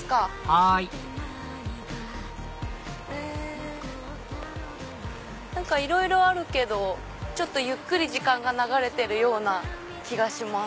はいいろいろあるけどゆっくり時間が流れてるような気がします。